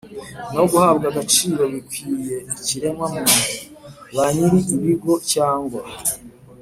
no guhabwa agaciro bikwiye ikiremwa muntu. ba nyiri ibigo cyangwa